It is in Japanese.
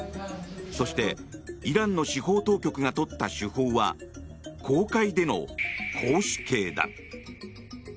そして、イランの司法当局が取った手法は公開での絞首刑だ。